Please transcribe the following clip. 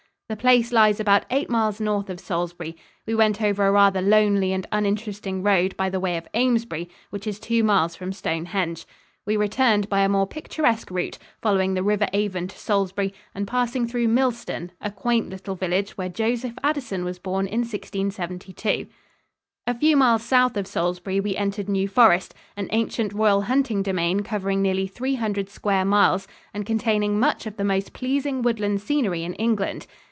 The place lies about eight miles north of Salisbury. We went over a rather lonely and uninteresting road by the way of Amesbury, which is two miles from Stonehenge. We returned by a more picturesque route, following the River Avon to Salisbury and passing through Millston, a quaint little village where Joseph Addison was born in 1672. A few miles south of Salisbury we entered New Forest, an ancient royal hunting domain covering nearly three hundred square miles and containing much of the most pleasing woodland scenery in England.